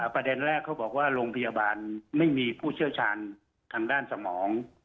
ประเด็นแรกเขาบอกว่าโรงพยาบาลไม่มีผู้เชี่ยวชาญทางด้านสมอง